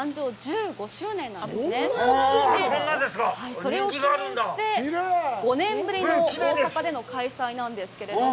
それを記念して、５年ぶりの大阪での開催なんですけれども。